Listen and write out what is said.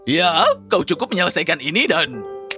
ya kau cukup menyelesaikan ini dan